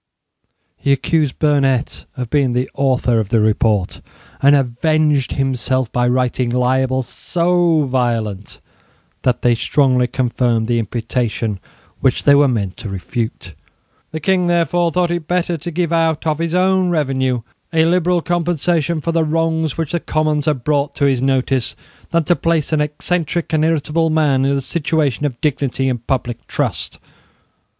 He accused Burnet of being the author of the report, and avenged himself by writing libels so violent that they strongly confirmed the imputation which they were meant to refute. The King, therefore, thought it better to give out of his own revenue a liberal compensation for the wrongs which the Commons had brought to his notice than to place an eccentric and irritable man in a situation of dignity and public trust.